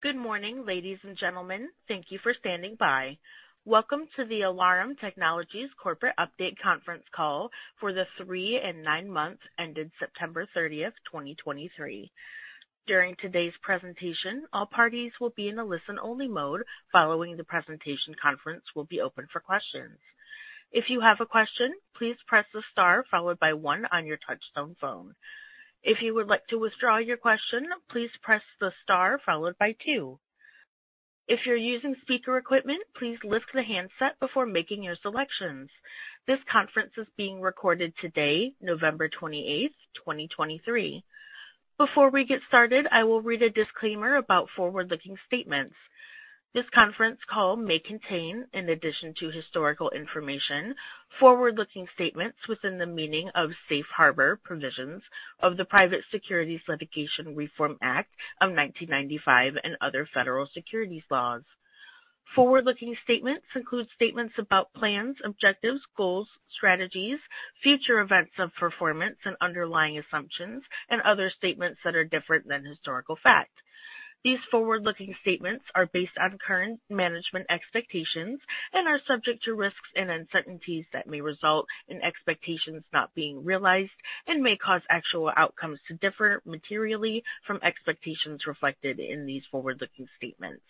Good morning, ladies and gentlemen. Thank you for standing by. Welcome to the Alarum Technologies Corporate Update Conference Call for the three and nine months ended September 30th, 2023. During today's presentation, all parties will be in a listen-only mode. Following the presentation, conference will be open for questions. If you have a question, please press the star followed by one on your touch-tone phone. If you would like to withdraw your question, please press the star followed by two. If you're using speaker equipment, please lift the handset before making your selections. This conference is being recorded today, November 28th, 2023. Before we get started, I will read a disclaimer about forward-looking statements. This conference call may contain, in addition to historical information, forward-looking statements within the meaning of safe harbor provisions of the Private Securities Litigation Reform Act of 1995 and other federal securities laws. Forward-looking statements include statements about plans, objectives, goals, strategies, future events of performance and underlying assumptions, and other statements that are different than historical fact. These forward-looking statements are based on current management expectations and are subject to risks and uncertainties that may result in expectations not being realized and may cause actual outcomes to differ materially from expectations reflected in these forward-looking statements.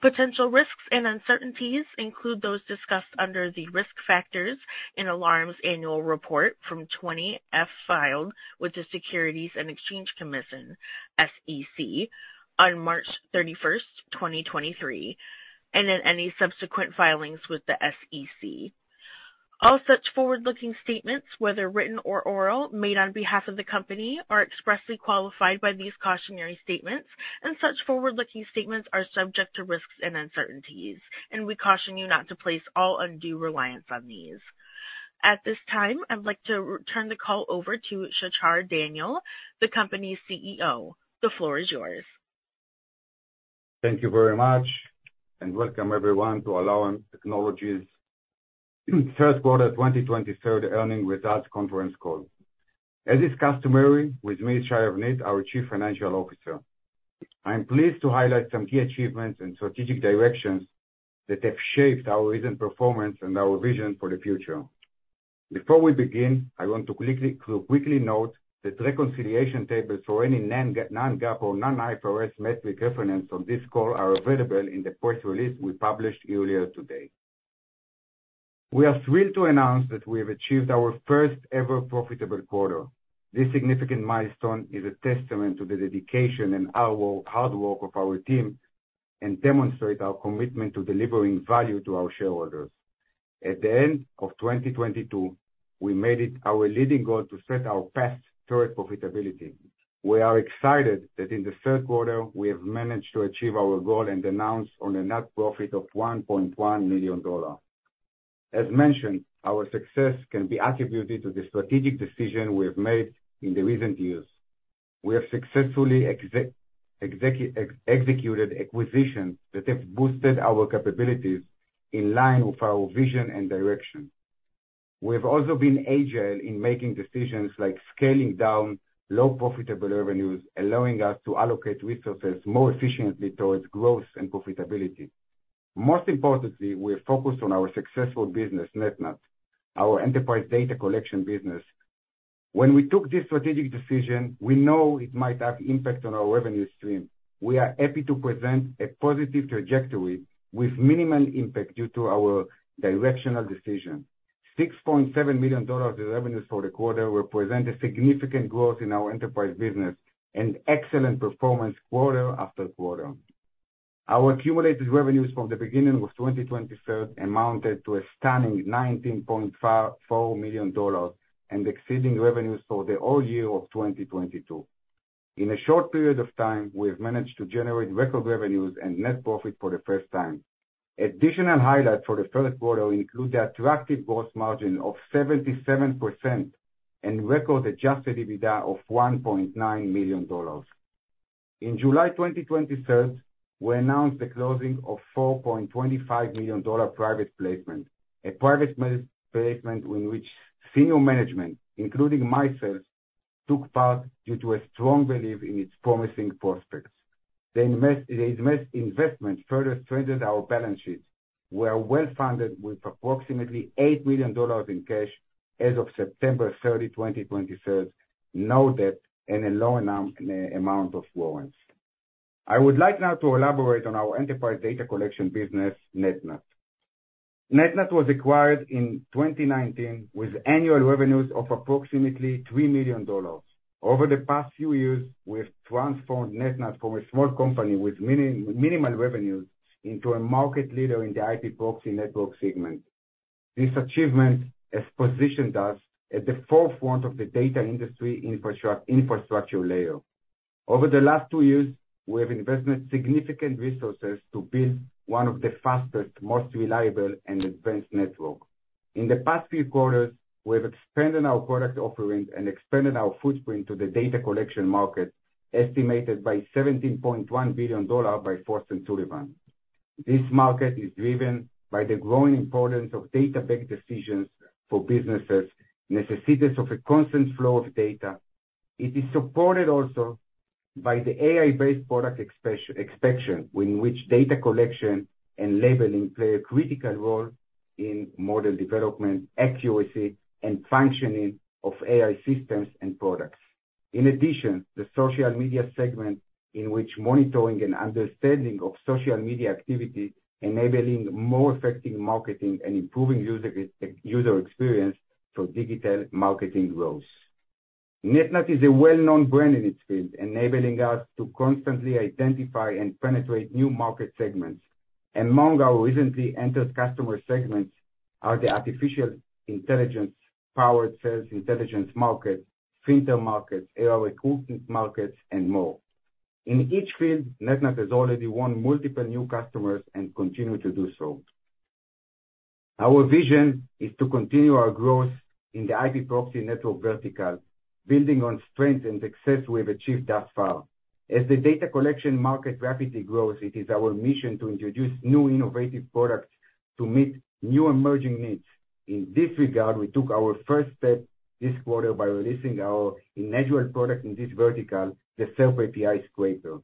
Potential risks and uncertainties include those discussed under the risk factors in Alarum's annual report Form 20-F, filed with the Securities and Exchange Commission, SEC, on March 31st, 2023, and in any subsequent filings with the SEC. All such forward-looking statements, whether written or oral, made on behalf of the company are expressly qualified by these cautionary statements, and such forward-looking statements are subject to risks and uncertainties, and we caution you not to place all undue reliance on these. At this time, I'd like to turn the call over to Shachar Daniel, the company's CEO. The floor is yours. Thank you very much, and welcome everyone to Alarum Technologies' First Quarter 2023 Earnings Results Conference Call. As is customary, with me, Shai Avnit, our Chief Financial Officer. I am pleased to highlight some key achievements and strategic directions that have shaped our recent performance and our vision for the future. Before we begin, I want to quickly note that reconciliation tables for any non, non-GAAP or non-IFRS metric referenced on this call are available in the press release we published earlier today. We are thrilled to announce that we have achieved our first ever profitable quarter. This significant milestone is a testament to the dedication and our hard work of our team, and demonstrate our commitment to delivering value to our shareholders. At the end of 2022, we made it our leading goal to set our best toward profitability. We are excited that in the third quarter we have managed to achieve our goal and announce on a net profit of $1.1 million. As mentioned, our success can be attributed to the strategic decision we have made in the recent years. We have successfully executed acquisitions that have boosted our capabilities in line with our vision and direction. We have also been agile in making decisions like scaling down low profitable revenues, allowing us to allocate resources more efficiently towards growth and profitability. Most importantly, we are focused on our successful business, NetNut, our enterprise data collection business. When we took this strategic decision, we know it might have impact on our revenue stream. We are happy to present a positive trajectory with minimal impact due to our directional decision. $6.7 million of revenues for the quarter represent a significant growth in our enterprise business and excellent performance quarter after quarter. Our accumulated revenues from the beginning of 2023 amounted to a stunning $19.44 million and exceeding revenues for the whole year of 2022. In a short period of time, we have managed to generate record revenues and net profit for the first time. Additional highlights for the first quarter include the attractive gross margin of 77% and record adjusted EBITDA of $1.9 million. In July 2023, we announced the closing of $4.25 million private placement, a private placement in which senior management, including myself, took part due to a strong belief in its promising prospects. The investment further strengthened our balance sheet. We are well-funded with approximately $8 million in cash as of September 30th, 2023, no debt and a low amount of warrants. I would like now to elaborate on our enterprise data collection business, NetNut. NetNut was acquired in 2019, with annual revenues of approximately $3 million. Over the past few years, we have transformed NetNut from a small company with minimal revenues into a market leader in the IP proxy network segment. This achievement has positioned us at the forefront of the data industry infrastructure layer. Over the last two years, we have invested significant resources to build one of the fastest, most reliable and advanced network. In the past few quarters, we have expanded our product offerings and expanded our footprint to the data collection market, estimated at $17.1 billion by Forrester.... This market is driven by the growing importance of data-backed decisions for businesses, necessities of a constant flow of data. It is supported also by the AI-based product expectation, in which data collection and labeling play a critical role in model development, accuracy, and functioning of AI systems and products. In addition, the social media segment, in which monitoring and understanding of social media activity, enabling more effective marketing and improving user experience for digital marketing growth. NetNut is a well-known brand in its field, enabling us to constantly identify and penetrate new market segments. Among our recently entered customer segments are the artificial intelligence-powered sales intelligence market, fintech markets, AI recruiting markets, and more. In each field, NetNut has already won multiple new customers and continue to do so. Our vision is to continue our growth in the IP proxy network vertical, building on strength and success we have achieved thus far. As the data collection market rapidly grows, it is our mission to introduce new innovative products to meet new emerging needs. In this regard, we took our first step this quarter by releasing our inaugural product in this vertical, the SERP Scraper API.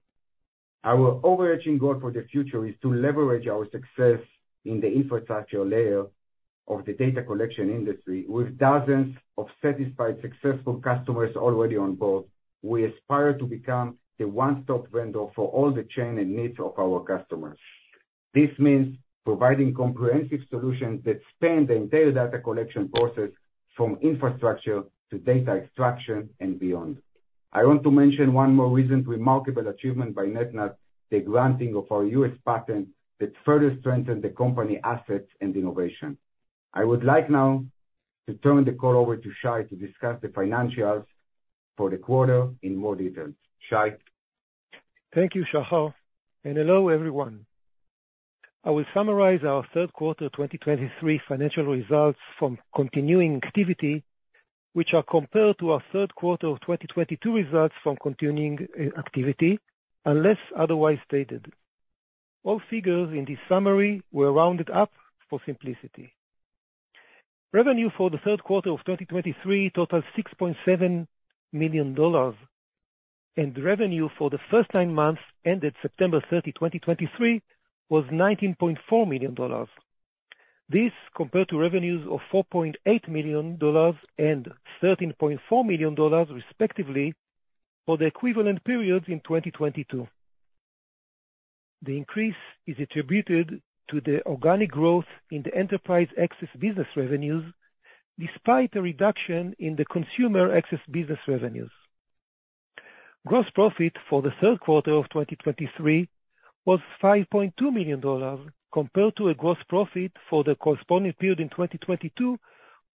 Our overarching goal for the future is to leverage our success in the infrastructure layer of the data collection industry, with dozens of satisfied, successful customers already on board. We aspire to become the one-stop vendor for all the changing needs of our customers. This means providing comprehensive solutions that span the entire data collection process, from infrastructure to data extraction and beyond. I want to mention one more recent remarkable achievement by NetNut, the granting of our U.S. patent that further strengthen the company assets and innovation. I would like now to turn the call over to Shai to discuss the financials for the quarter in more detail. Shai? Thank you, Shachar, and hello, everyone. I will summarize our third quarter 2023 financial results from continuing activity, which are compared to our third quarter of 2022 results from continuing activity, unless otherwise stated. All figures in this summary were rounded up for simplicity. Revenue for the third quarter of 2023 totaled $6.7 million, and revenue for the first nine months ended September 30th, 2023, was $19.4 million. This compared to revenues of $4.8 million and $13.4 million, respectively, for the equivalent periods in 2022. The increase is attributed to the organic growth in the enterprise access business revenues, despite a reduction in the consumer access business revenues. Gross profit for the third quarter of 2023 was $5.2 million, compared to a gross profit for the corresponding period in 2022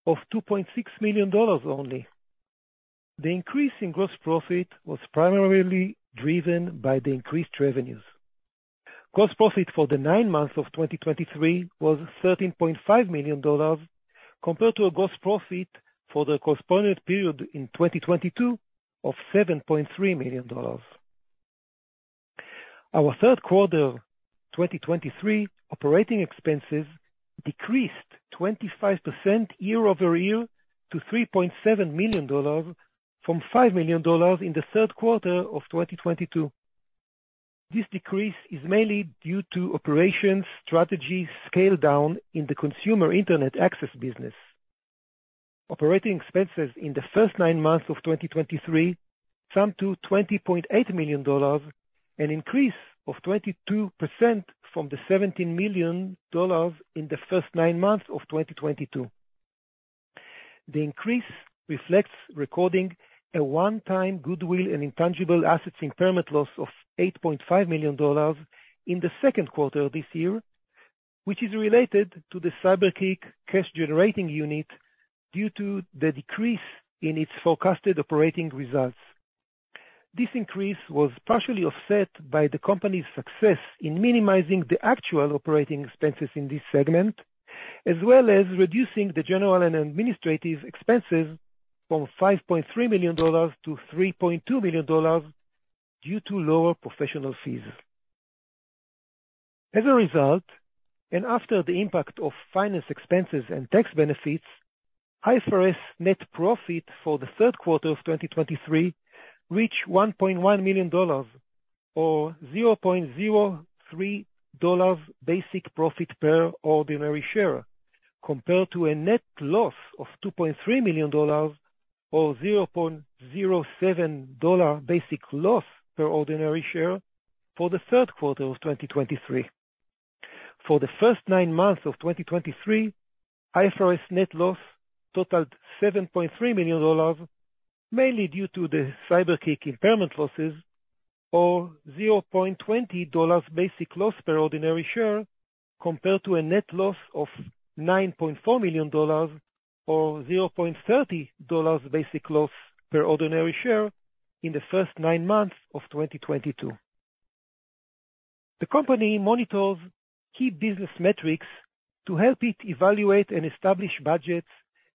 of $2.6 million only. The increase in gross profit was primarily driven by the increased revenues. Gross profit for the nine months of 2023 was $13.5 million, compared to a gross profit for the corresponding period in 2022 of $7.3 million. Our third quarter 2023 operating expenses decreased 25% year-over-year to $3.7 million from $5 million in the third quarter of 2022. This decrease is mainly due to operations strategy scale down in the consumer internet access business. Operating expenses in the first nine months of 2023 summed to $20.8 million, an increase of 22% from the $17 million in the first nine months of 2022. The increase reflects recording a one-time goodwill and intangible assets impairment loss of $8.5 million in the second quarter of this year, which is related to the CyberKick cash-generating unit due to the decrease in its forecasted operating results. This increase was partially offset by the company's success in minimizing the actual operating expenses in this segment, as well as reducing the general and administrative expenses from $5.3 million to $3.2 million due to lower professional fees. As a result, and after the impact of finance expenses and tax benefits, IFRS net profit for the third quarter of 2023 reached $1.1 million or $0.03 basic profit per ordinary share, compared to a net loss of $2.3 million, or $0.07 basic loss per ordinary share for the third quarter of 2023. For the first nine months of 2023, IFRS net loss totaled $7.3 million, mainly due to the CyberKick impairment losses or $0.20 basic loss per ordinary share, compared to a net loss of $9.4 million, or $0.30 basic loss per ordinary share in the first nine months of 2022. The company monitors key business metrics-... To help it evaluate and establish budgets,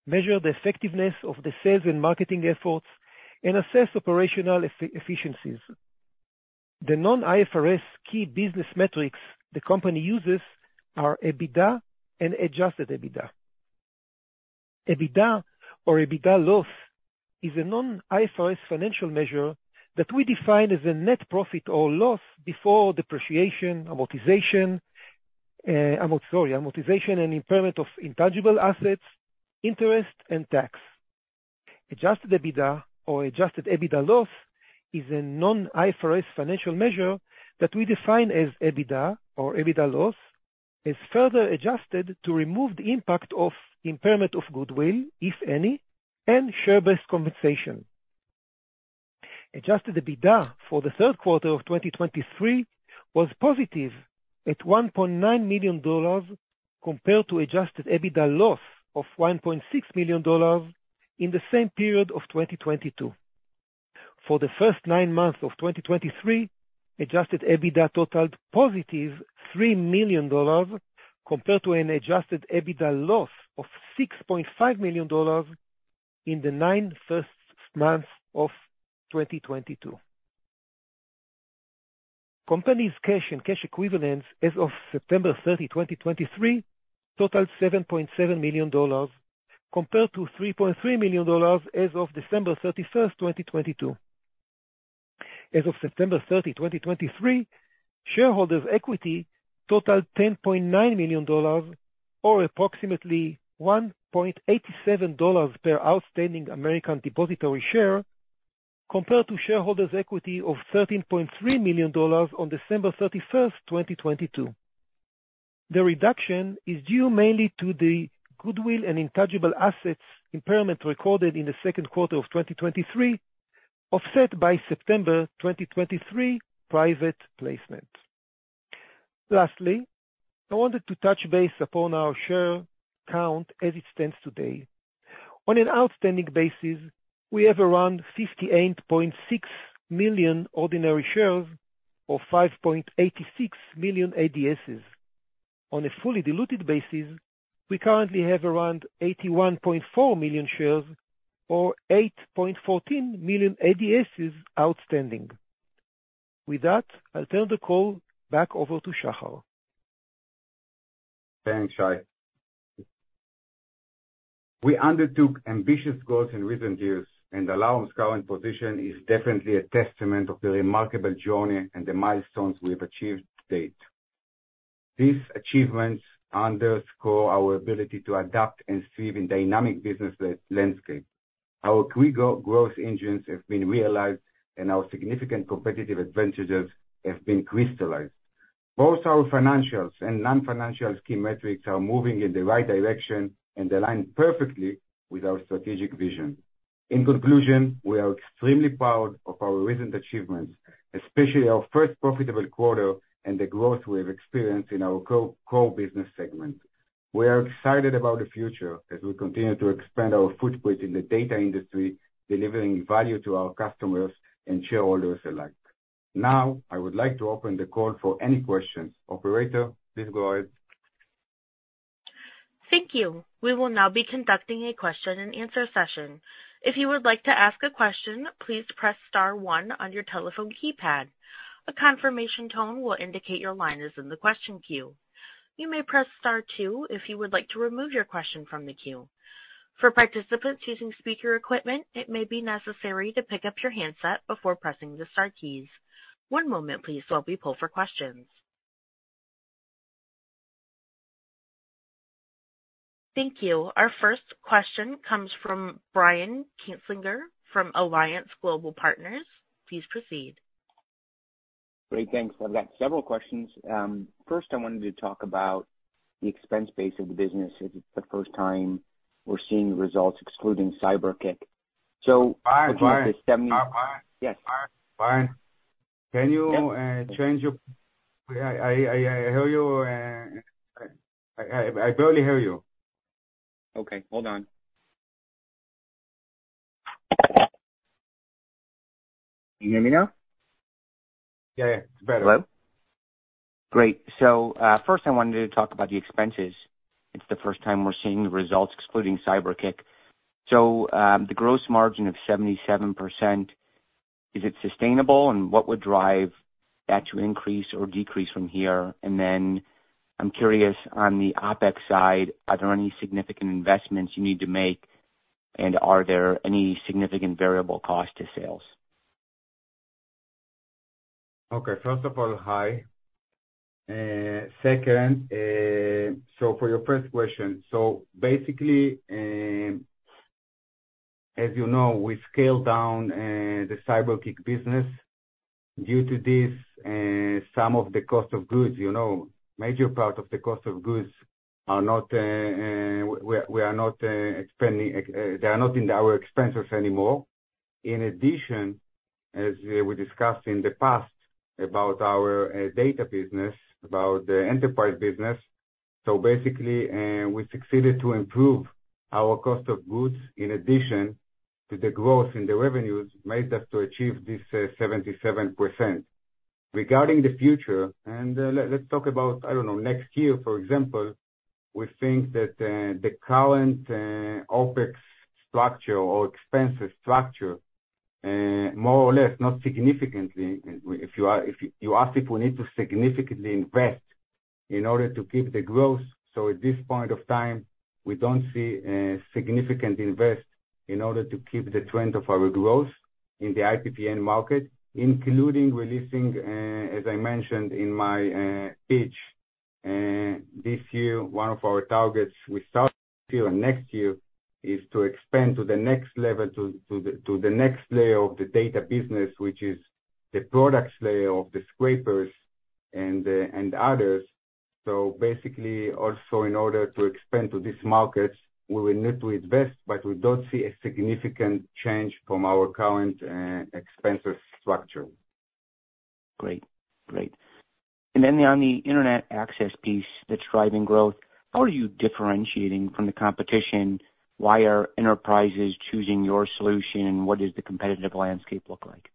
measure the effectiveness of the sales and marketing efforts, and assess operational efficiencies. The non-IFRS key business metrics the company uses are EBITDA and adjusted EBITDA. EBITDA or EBITDA loss is a non-IFRS financial measure that we define as a net profit or loss before depreciation, amortization and impairment of intangible assets, interest and tax. Adjusted EBITDA or adjusted EBITDA loss is a non-IFRS financial measure that we define as EBITDA or EBITDA loss, is further adjusted to remove the impact of impairment of goodwill, if any, and share-based compensation. Adjusted EBITDA for the third quarter of 2023 was positive at $1.9 million, compared to adjusted EBITDA loss of $1.6 million in the same period of 2022. For the first nine months of 2023, adjusted EBITDA totaled $3 million, compared to an adjusted EBITDA loss of $6.5 million in the first nine months of 2022. The Company's cash and cash equivalents as of September 30, 2023, totaled $7.7 million, compared to $3.3 million as of December 31st, 2022. As of September 30, 2023, shareholders' equity totaled $10.9 million, or approximately $1.87 per outstanding American depositary share, compared to shareholders' equity of $13.3 million on December 31st, 2022. The reduction is due mainly to the goodwill and intangible assets impairment recorded in the second quarter of 2023, offset by September 2023 private placement. Lastly, I wanted to touch base upon our share count as it stands today. On an outstanding basis, we have around 58.6 million ordinary shares, or 5.86 million ADSs. On a fully diluted basis, we currently have around 81.4 million shares, or 8.14 million ADSs outstanding. With that, I'll turn the call back over to Shachar. Thanks, Shai. We undertook ambitious goals in recent years, and Alarum's current position is definitely a testament of the remarkable journey and the milestones we have achieved to date. These achievements underscore our ability to adapt and thrive in dynamic business landscape. Our three growth engines have been realized, and our significant competitive advantages have been crystallized. Both our financials and non-financial key metrics are moving in the right direction and align perfectly with our strategic vision. In conclusion, we are extremely proud of our recent achievements, especially our first profitable quarter and the growth we have experienced in our core business segment. We are excited about the future as we continue to expand our footprint in the data industry, delivering value to our customers and shareholders alike. Now, I would like to open the call for any questions. Operator, please go ahead. Thank you. We will now be conducting a question and answer session. If you would like to ask a question, please press star one on your telephone keypad. A confirmation tone will indicate your line is in the question queue. You may press star two if you would like to remove your question from the queue. For participants using speaker equipment, it may be necessary to pick up your handset before pressing the star keys. One moment please, while we pull for questions. Thank you. Our first question comes from Brian Kinstlinger from Alliance Global Partners. Please proceed. Great, thanks. I've got several questions. First, I wanted to talk about the expense base of the business. It's the first time we're seeing results excluding CyberKick. So- Brian, Brian. Yes. Brian, can you change your... I hear you, I barely hear you. Okay, hold on. Can you hear me now? Yeah, yeah, it's better. Hello? Great. So, first I wanted to talk about the expenses. It's the first time we're seeing the results excluding CyberKick. So, the gross margin of 77%, is it sustainable? And what would drive that to increase or decrease from here? And then I'm curious, on the OpEx side, are there any significant investments you need to make, and are there any significant variable costs to sales? Okay. First of all, hi. Second, so for your first question, so basically, as you know, we scaled down the CyberKick business. Due to this, some of the cost of goods, you know, major part of the cost of goods are not, we, we are not expanding, they are not in our expenses anymore. In addition, as we discussed in the past about our data business, about the enterprise business, so basically, we succeeded to improve our cost of goods, in addition to the growth in the revenues, made us to achieve this 77%.... Regarding the future, and, let's talk about, I don't know, next year, for example, we think that, the current, OpEx structure or expenses structure, more or less, not significantly, if you ask if we need to significantly invest in order to keep the growth, so at this point of time, we don't see a significant invest in order to keep the trend of our growth in the IPPN market, including releasing, as I mentioned in my, pitch, this year, one of our targets we start here next year, is to expand to the next level, to the next layer of the data business, which is the product layer of the scrapers and, and others. So basically, also in order to expand to these markets, we will need to invest, but we don't see a significant change from our current expenses structure. Great. Great. And then on the internet access piece, that's driving growth, how are you differentiating from the competition? Why are enterprises choosing your solution, and what does the competitive landscape look like?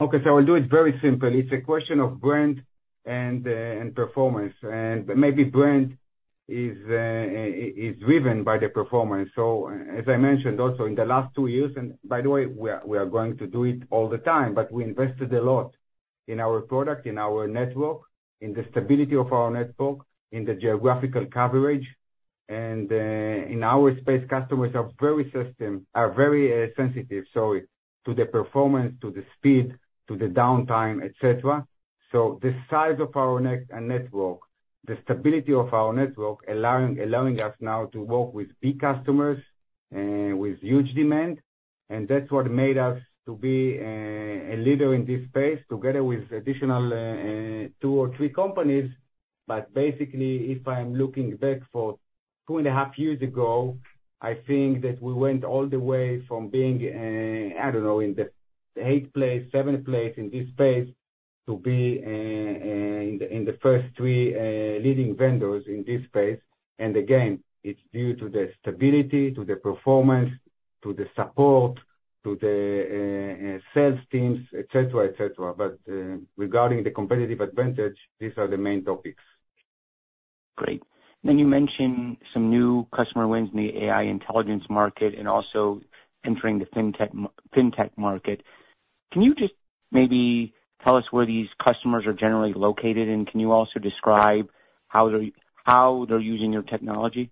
Okay. So I will do it very simple. It's a question of brand and, and performance, and maybe brand is, is driven by the performance. So as I mentioned also in the last two years, and by the way, we are going to do it all the time, but we invested a lot in our product, in our network, in the stability of our network, in the geographical coverage. And, in our space, customers are very sensitive, sorry, to the performance, to the speed, to the downtime, et cetera. So the size of our network, the stability of our network, allowing us now to work with big customers, with huge demand, and that's what made us to be, a leader in this space, together with additional, two or three companies. But basically, if I'm looking back two and a half years ago, I think that we went all the way from being, I don't know, in the eighth place, seventh place in this space, to be, in the first three, leading vendors in this space. And again, it's due to the stability, to the performance, to the support, to the, sales teams, et cetera, et cetera. But, regarding the competitive advantage, these are the main topics. Great. Then you mentioned some new customer wins in the AI intelligence market and also entering the fintech market. Can you just maybe tell us where these customers are generally located, and can you also describe how they're using your technology?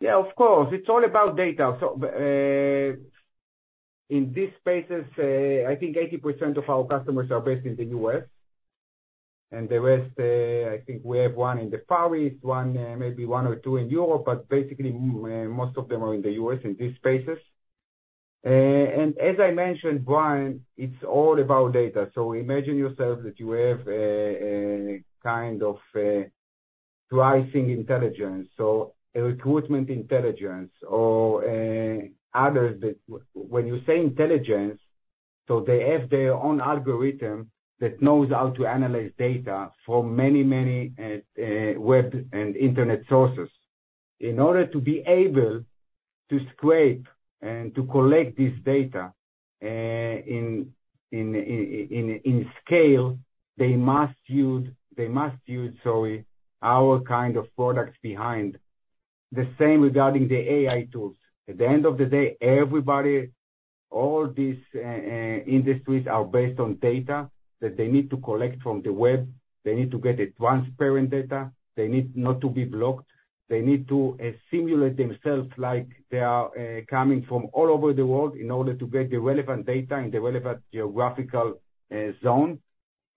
Yeah, of course. It's all about data. So, in these spaces, I think 80% of our customers are based in the U.S., and the rest, I think we have one in the Far East, one, maybe one or two in Europe, but basically, most of them are in the U.S., in these spaces. And as I mentioned, Brian, it's all about data. So imagine yourself that you have, a kind of, thriving intelligence, so a recruitment intelligence or others, that when you say intelligence, so they have their own algorithm that knows how to analyze data from many, many web and internet sources. In order to be able to scrape and to collect this data, in scale, they must use, sorry, our kind of products behind. The same regarding the AI tools. At the end of the day, everybody, all these industries are based on data that they need to collect from the web. They need to get a transparent data. They need not to be blocked. They need to simulate themselves like they are coming from all over the world in order to get the relevant data in the relevant geographical zone.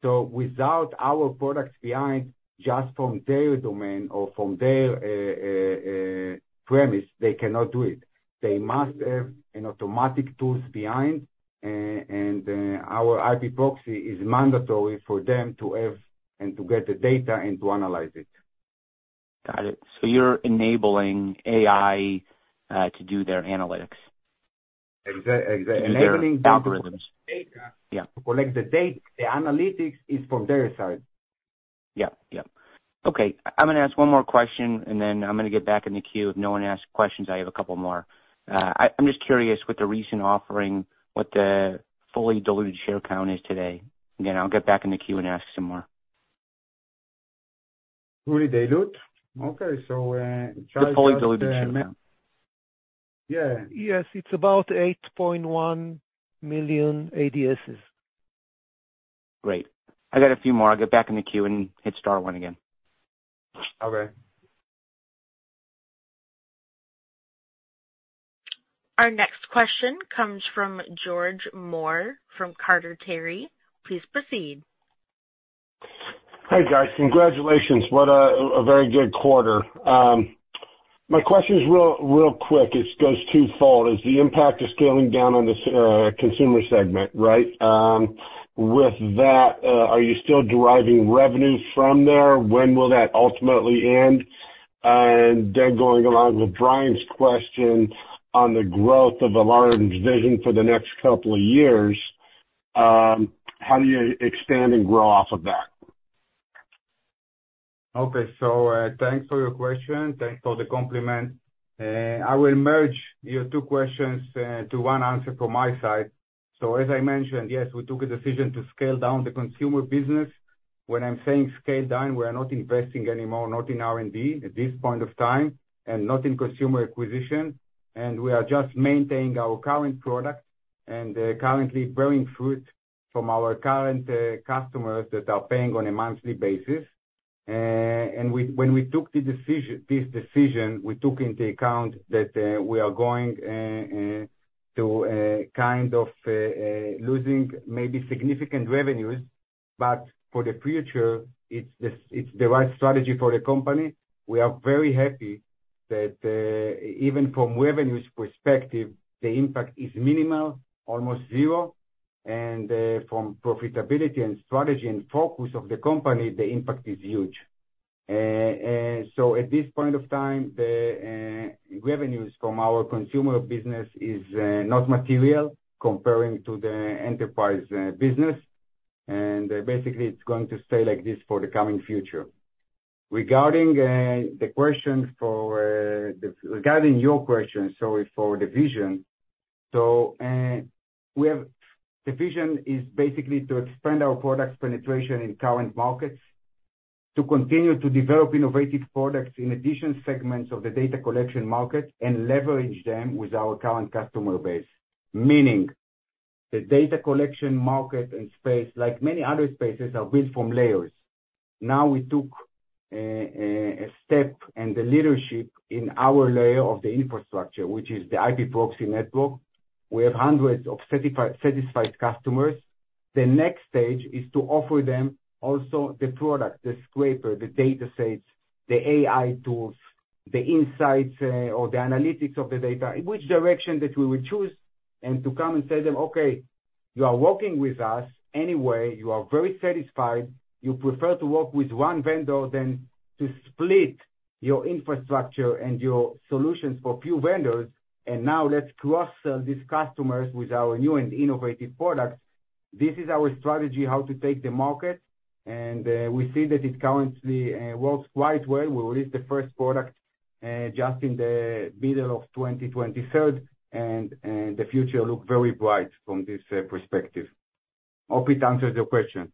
So without our products behind, just from their domain or from their premise, they cannot do it. They must have an automatic tools behind, and our IP proxy is mandatory for them to have and to get the data and to analyze it. Got it. So you're enabling AI to do their analytics? Enabling- Algorithms. Data. Yeah. To collect the data. The analytics is from their side. Yep. Yep. Okay, I'm gonna ask one more question, and then I'm gonna get back in the queue. If no one asks questions, I have a couple more. I'm just curious, with the recent offering, what the fully diluted share count is today? Then I'll get back in the queue and ask some more. Fully dilute? Okay, so- The fully diluted share count. Yeah. Yes, it's about 8.1 million ADSs. Great. I got a few more. I'll get back in the queue and hit star one again. Okay. Our next question comes from George Moore, from Carter, Terry. Please proceed. Hi, guys. Congratulations. What a very good quarter. My question is real quick. It goes twofold. Is the impact of scaling down on the consumer segment, right? With that, are you still deriving revenue from there? When will that ultimately end? And then going along with Brian's question on the growth of Alarum's vision for the next couple of years, how do you expand and grow off of that?... Okay, so, thanks for your question. Thanks for the compliment. I will merge your two questions to one answer from my side. So as I mentioned, yes, we took a decision to scale down the consumer business. When I'm saying scale down, we are not investing anymore, not in R&D at this point of time, and not in consumer acquisition, and we are just maintaining our current product and currently bearing fruit from our current customers that are paying on a monthly basis. And when we took the decision, this decision, we took into account that we are going to kind of losing maybe significant revenues. But for the future, it's the right strategy for the company. We are very happy that even from revenues perspective, the impact is minimal, almost zero. From profitability and strategy and focus of the company, the impact is huge. So at this point, revenues from our consumer business is not material comparing to the enterprise business. And basically, it's going to stay like this for the coming future. Regarding your question, sorry, for the vision. So, the vision is basically to expand our products penetration in current markets, to continue to develop innovative products in addition segments of the data collection market, and leverage them with our current customer base. Meaning, the data collection market and space, like many other spaces, are built from layers. Now, we took a step and the leadership in our layer of the infrastructure, which is the IP proxy network. We have hundreds of satisfied customers. The next stage is to offer them also the product, the scraper, the datasets, the AI tools, the insights, or the analytics of the data, in which direction that we will choose, and to come and tell them, "Okay, you are working with us anyway. You are very satisfied. You prefer to work with one vendor than to split your infrastructure and your solutions for few vendors, and now let's cross-sell these customers with our new and innovative products." This is our strategy, how to take the market, and we see that it currently works quite well. We released the first product just in the middle of 2023, and the future look very bright from this perspective. Hope it answers your question.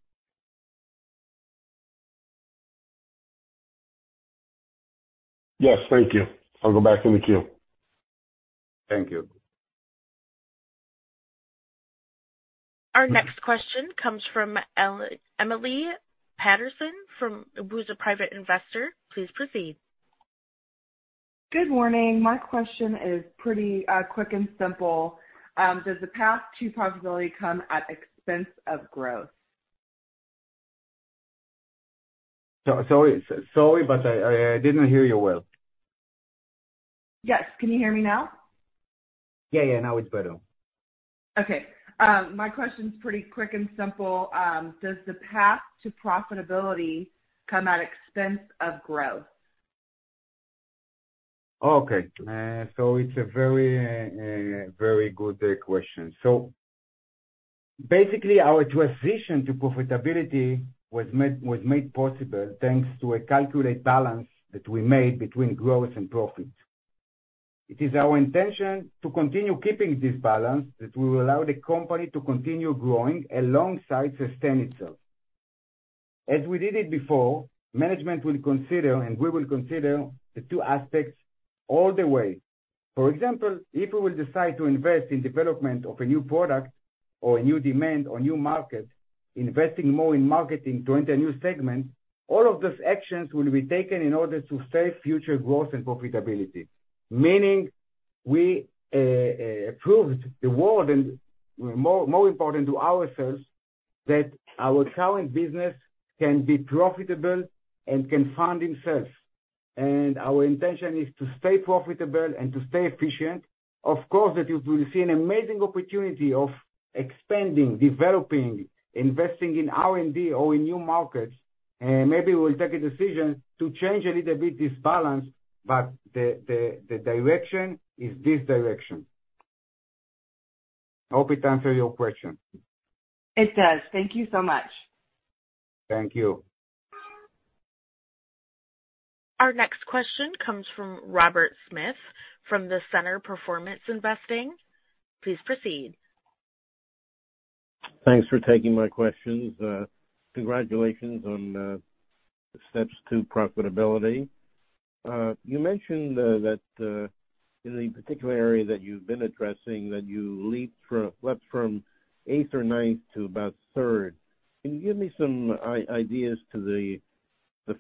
Yes, thank you. I'll go back in the queue. Thank you. Our next question comes from Emily Patterson, from... who's a private investor. Please proceed. Good morning. My question is pretty quick and simple. Does the path to profitability come at expense of growth? So sorry, but I didn't hear you well. Yes. Can you hear me now? Yeah, yeah, now it's better. Okay. My question's pretty quick and simple. Does the path to profitability come at expense of growth? Okay. So it's a very, very good question. So basically, our transition to profitability was made possible thanks to a calculated balance that we made between growth and profit. It is our intention to continue keeping this balance, that will allow the company to continue growing alongside sustaining itself. As we did it before, management will consider, and we will consider the two aspects all the way. For example, if we will decide to invest in development of a new product or a new demand or new market, investing more in marketing to enter a new segment, all of those actions will be taken in order to secure future growth and profitability. Meaning we proved to the world and more important to ourselves, that our current business can be profitable and can fund itself. Our intention is to stay profitable and to stay efficient. Of course, that if we will see an amazing opportunity of expanding, developing, investing in R&D or in new markets, maybe we'll take a decision to change a little bit this balance, but the direction is this direction. I hope it answer your question. It does. Thank you so much. Thank you. Our next question comes from Robert Smith, from the Center for Performance Investing. Please proceed. Thanks for taking my questions. Congratulations on the steps to profitability. You mentioned that in the particular area that you've been addressing, that you leaped from eighth or ninth to about third. Can you give me some ideas to the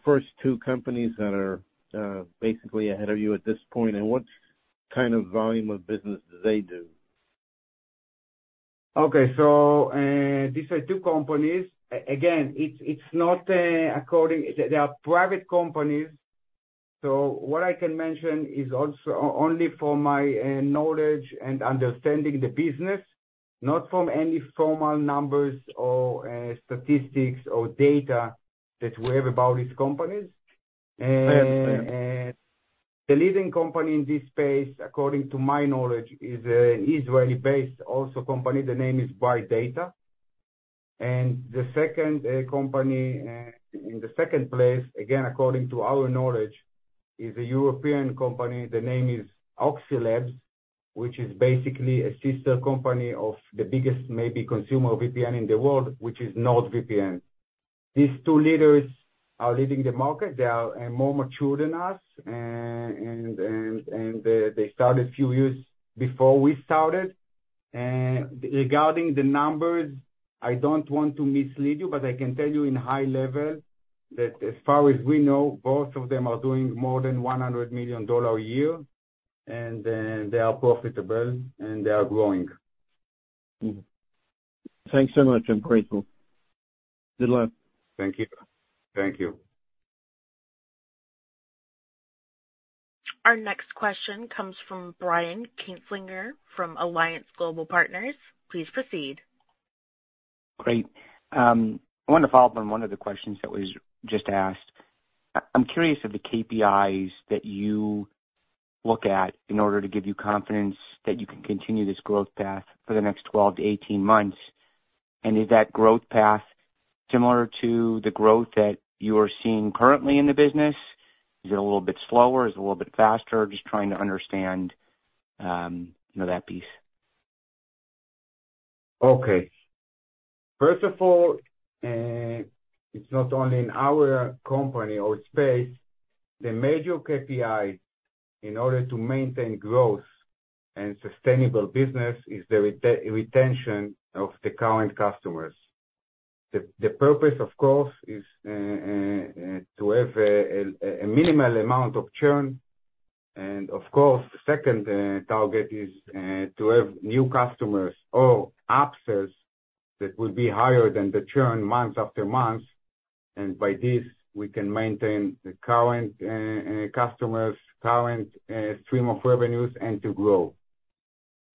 first two companies that are basically ahead of you at this point, and what kind of volume of business do they do? Okay. So, these are two companies. Again, it's not according... They are private companies, so what I can mention is also only from my knowledge and understanding the business, not from any formal numbers or statistics or data that we have about these companies. I understand.... The leading company in this space, according to my knowledge, is an Israeli-based also company. The name is Bright Data, and the second company in the second place, again, according to our knowledge, is a European company. The name is Oxylabs, which is basically a sister company of the biggest, maybe consumer VPN in the world, which is NordVPN. These two leaders are leading the market. They are more mature than us, and they started a few years before we started. And regarding the numbers, I don't want to mislead you, but I can tell you in high level that as far as we know, both of them are doing more than $100 million a year, and they are profitable, and they are growing. Thanks so much, I'm grateful. Good luck. Thank you. Thank you. Our next question comes from Brian Kinstlinger, from Alliance Global Partners. Please proceed. Great. I want to follow up on one of the questions that was just asked. I'm curious of the KPIs that you look at in order to give you confidence that you can continue this growth path for the next 12-18 months, and is that growth path similar to the growth that you are seeing currently in the business? Is it a little bit slower? Is it a little bit faster? Just trying to understand, you know, that piece. Okay. First of all, it's not only in our company or space; the major KPI in order to maintain growth and sustainable business is the retention of the current customers. The purpose, of course, is to have a minimal amount of churn, and of course, the second target is to have new customers or upsells that will be higher than the churn month after month. And by this, we can maintain the current customers current stream of revenues and to grow.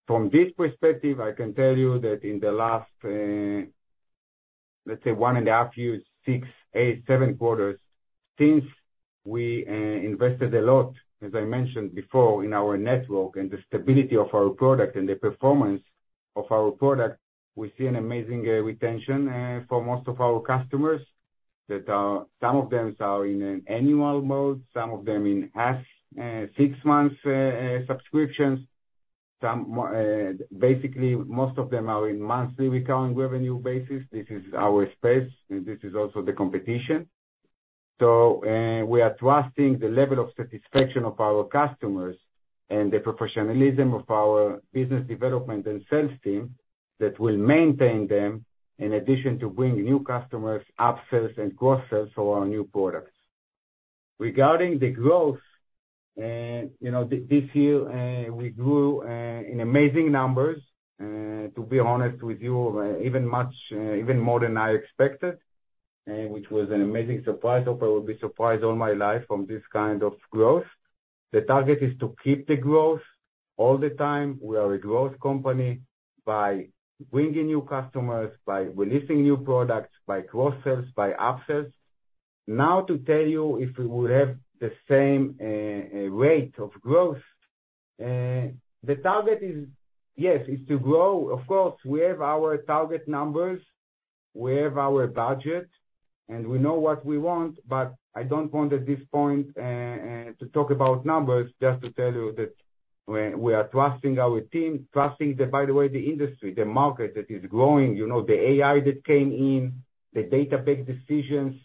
From this perspective, I can tell you that in the last, let's say, one and a half years, six, eight, seven quarters, since we invested a lot, as I mentioned before, in our network and the stability of our product and the performance of our product, we see an amazing retention for most of our customers that some of them are in an annual mode, some of them in half, six months subscriptions. Some more, basically, most of them are in monthly recurring revenue basis. This is our space, and this is also the competition. So, we are trusting the level of satisfaction of our customers and the professionalism of our business development and sales team that will maintain them, in addition to bringing new customers, upsells and cross-sells for our new products. Regarding the growth, you know, this year, we grew in amazing numbers, to be honest with you, even much, even more than I expected, which was an amazing surprise. Hope I will be surprised all my life from this kind of growth. The target is to keep the growth all the time. We are a growth company by bringing new customers, by releasing new products, by cross-sells, by upsells. Now, to tell you if we will have the same rate of growth, the target is, yes, is to grow. Of course, we have our target numbers, we have our budget, and we know what we want, but I don't want at this point to talk about numbers, just to tell you that we are trusting our team, trusting the, by the way, the industry, the market that is growing, you know, the AI that came in, the database decisions,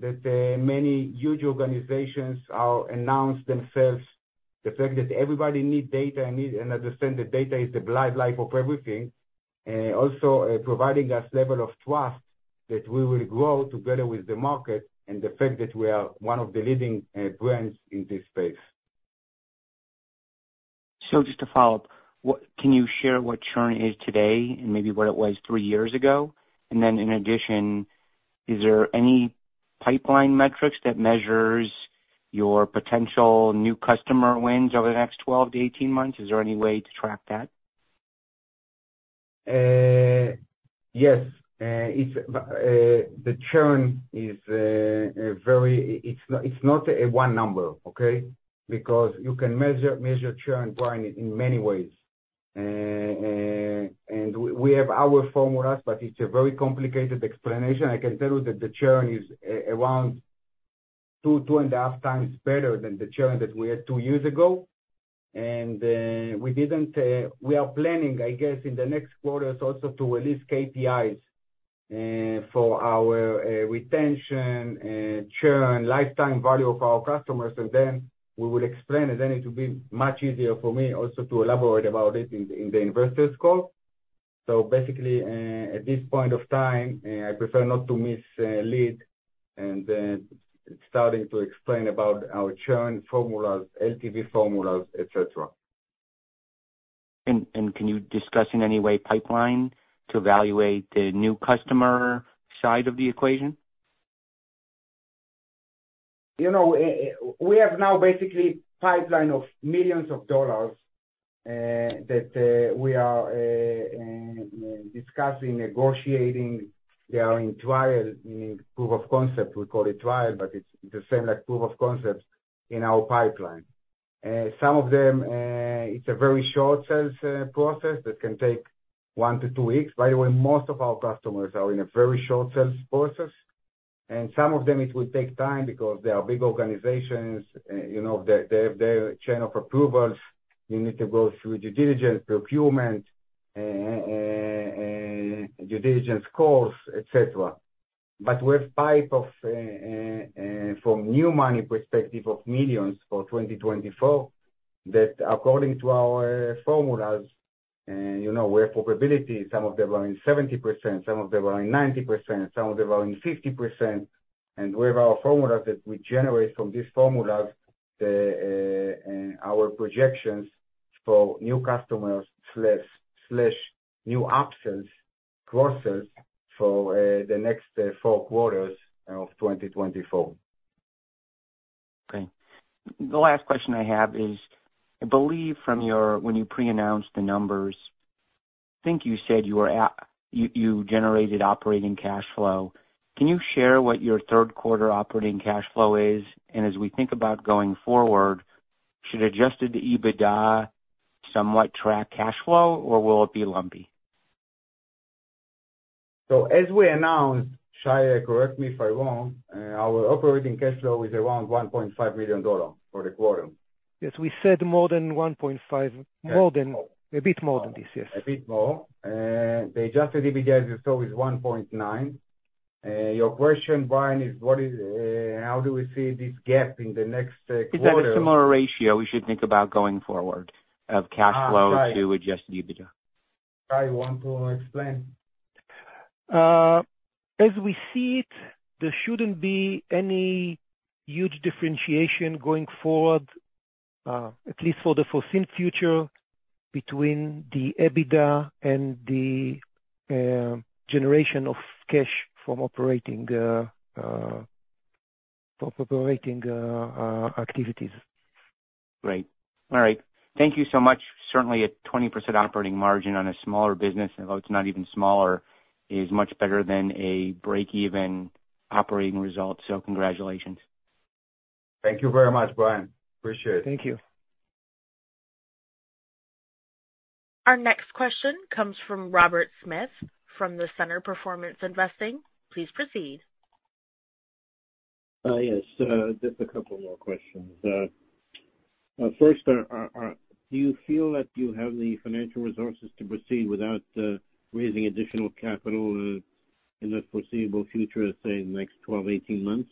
that many huge organizations are announce themselves. The fact that everybody need data and need... And understand that data is the bright light of everything, also providing us level of trust that we will grow together with the market and the fact that we are one of the leading brands in this space. So just to follow up, can you share what churn is today and maybe what it was three years ago? And then in addition, is there any pipeline metrics that measures your potential new customer wins over the next 12-18 months? Is there any way to track that? Yes, it's the churn is a very... It's not, it's not a one number, okay? Because you can measure churn, Brian, in many ways. And we have our formulas, but it's a very complicated explanation. I can tell you that the churn is around 2x-2.5x better than the churn that we had two years ago. And we are planning, I guess, in the next quarters also to release KPIs for our retention, churn, lifetime value of our customers, and then we will explain, and then it will be much easier for me also to elaborate about it in the investors call. So basically, at this point of time, I prefer not to mislead and starting to explain about our churn formulas, LTV formulas, et cetera. Can you discuss in any way pipeline to evaluate the new customer side of the equation? You know, we have now basically pipeline of millions of dollars. That we are discussing, negotiating. They are in trial, in proof of concept. We call it trial, but it's the same like proof of concept in our pipeline. Some of them, it's a very short sales process that can take one-two weeks. By the way, most of our customers are in a very short sales process, and some of them, it will take time because they are big organizations. You know, they have their chain of approvals. You need to go through due diligence, procurement, due diligence course, et cetera. But we have pipeline of from new money perspective of millions for 2024, that according to our formulas, and, you know, where probability, some of them are in 70%, some of them are in 90%, some of them are in 50%. And we have our formulas that we generate from these formulas, the our projections for new customers slash new upsells, cross-sells for the next four quarters of 2024. Okay. The last question I have is, I believe from your, when you pre-announced the numbers, I think you said you were at... You generated operating cash flow. Can you share what your third quarter operating cash flow is? And as we think about going forward, should adjusted EBITDA somewhat track cash flow, or will it be lumpy? As we announced, Shai, correct me if I'm wrong, our operating cash flow is around $1.5 million for the quarter. Yes, we said more than 1.5. More than, a bit more than this, yes. A bit more. The adjusted EBITDA, as you saw, is $1.9. Your question, Brian, is what is, how do we see this gap in the next, quarter? Is that a similar ratio we should think about going forward of cash flow to Adjusted EBITDA? Shai, you want to explain? As we see it, there shouldn't be any huge differentiation going forward, at least for the foreseen future, between the EBITDA and the generation of cash from operating activities. Great. All right. Thank you so much. Certainly, a 20% operating margin on a smaller business, although it's not even smaller, is much better than a break-even operating result, so congratulations. Thank you very much, Brian. Appreciate it. Thank you. Our next question comes from Robert Smith, from the Center for Performance Investing. Please proceed. Yes, just a couple more questions. First, do you feel that you have the financial resources to proceed without raising additional capital in the foreseeable future, say, the next 12, 18 months?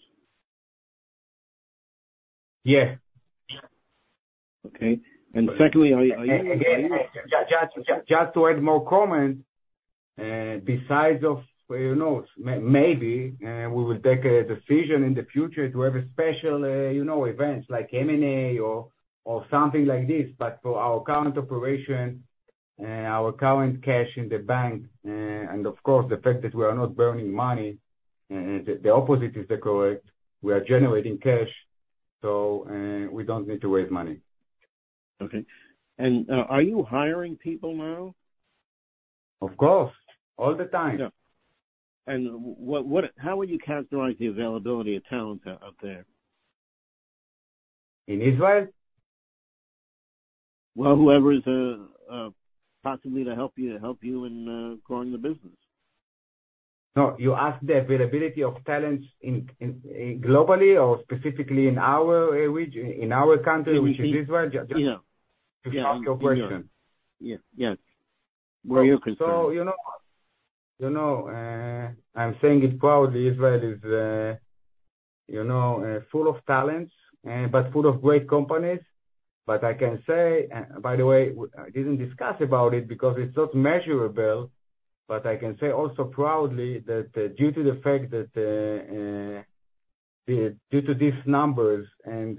Yes. Okay. And secondly, are you- Again, just to add more comment, besides of, you know, maybe we will take a decision in the future to have a special, you know, events like M&A or something like this, but for our current operation and our current cash in the bank, and of course, the fact that we are not burning money, the opposite is the correct. We are generating cash, so we don't need to raise money. Okay. Are you hiring people now? Of course, all the time. Yeah. And what... How would you characterize the availability of talent out there? In Israel? Well, whoever is possibly to help you, to help you in growing the business. No, you asked the availability of talents in globally or specifically in our region, in our country, which is Israel? Yeah. Just to ask your question. Yeah. Yes. Where are you concerned? So, you know, you know, I'm saying it proudly. Israel is, you know, full of talents, but full of great companies. But I can say, and by the way, I didn't discuss about it because it's not measurable, but I can say also proudly, that due to the fact that due to these numbers and,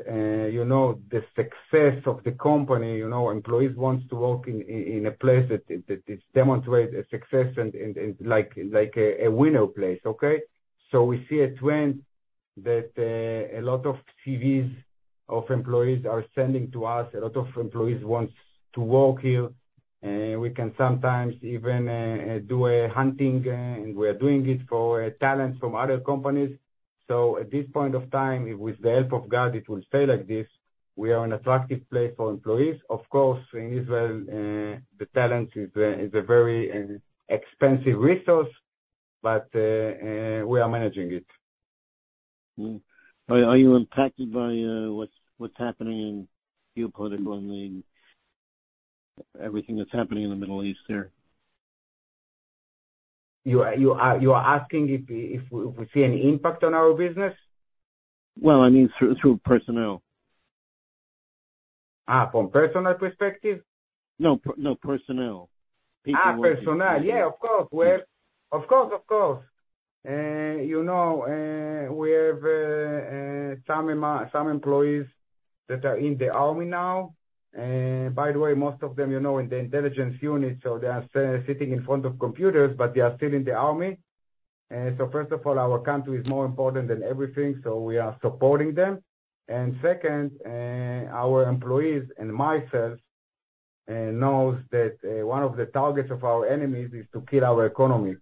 you know, the success of the company, you know, employees wants to work in a place that demonstrates a success and, like, a winner place, okay? So we see a trend that a lot of CVs of employees are sending to us. A lot of employees want to work here. We can sometimes even do a hunting, and we are doing it for talents from other companies. So at this point of time, with the help of God, it will stay like this. We are an attractive place for employees. Of course, in Israel, the talent is a very expensive resource, but we are managing it. Are you impacted by what's happening in geopolitical and everything that's happening in the Middle East there? You are asking if we see an impact on our business? Well, I mean through personnel. Ah, from personal perspective? No, personnel. People- Ah, personnel. Yeah, of course. Well, of course, of course. You know, we have some employees that are in the army now, and by the way, most of them, you know, in the intelligence unit, so they are sitting in front of computers, but they are still in the army. So first of all, our country is more important than everything, so we are supporting them. And second, our employees and myself knows that one of the targets of our enemies is to kill our economy.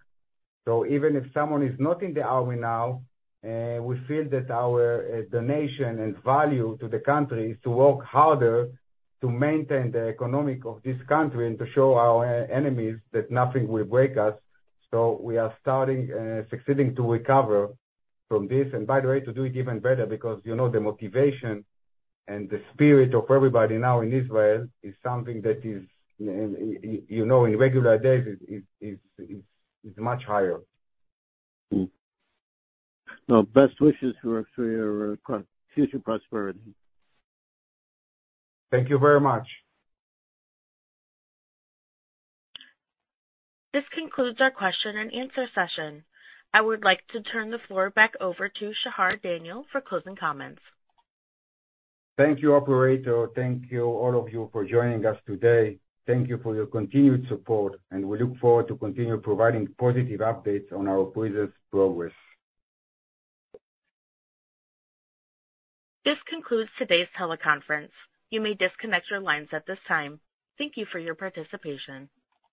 So even if someone is not in the army now, we feel that our donation and value to the country is to work harder to maintain the economy of this country and to show our enemies that nothing will break us. So we are starting succeeding to recover from this, and by the way, to do it even better, because, you know, the motivation and the spirit of everybody now in Israel is something that is, you know, in regular days, is much higher. Mm. Now, best wishes for, for your future prosperity. Thank you very much. This concludes our question and answer session. I would like to turn the floor back over to Shachar Daniel for closing comments. Thank you, operator. Thank you, all of you, for joining us today. Thank you for your continued support, and we look forward to continue providing positive updates on our business progress. This concludes today's teleconference. You may disconnect your lines at this time. Thank you for your participation.